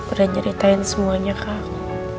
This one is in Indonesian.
udah nyeritain semuanya ke aku